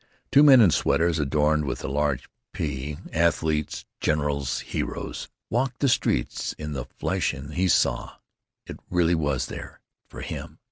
Two men in sweaters adorned with a large "P," athletes, generals, heroes, walked the streets in the flesh, and he saw—it really was there, for him!